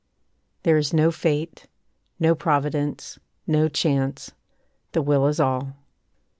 There is no Fate, no Providence, no Chance, The will is all.